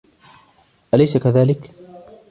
أليس كذلك ؟